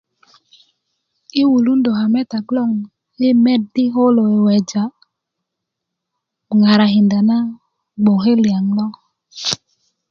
yi' eulundö kametak logoŋ yi' met di koo kulo weweja ŋarakinda na gboke liyaŋ lo